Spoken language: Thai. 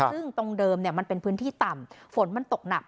ซึ่งตรงเดิมมันเป็นพื้นที่ต่ำฝนมันตกหนัก